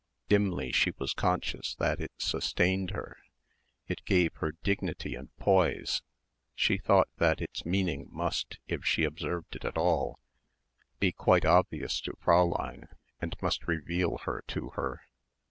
Dimly she was conscious that it sustained her, it gave her dignity and poise. She thought that its meaning must, if she observed it at all, be quite obvious to Fräulein and must reveal her to her.